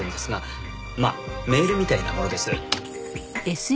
まあメールみたいなものです。